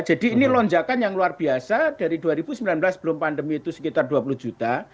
jadi ini lonjakan yang luar biasa dari dua ribu sembilan belas sebelum pandemi itu sekitar dua puluh juta